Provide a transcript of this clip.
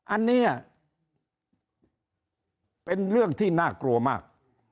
อันนี้เป็นเรื่องที่น่ากลัวมาก